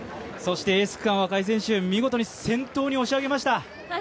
エース区間は若井選手、見事に先頭に押し上げました。